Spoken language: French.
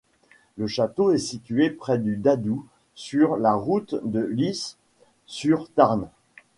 Le château est situé près du Dadou sur la route de Lisle sur Tarn.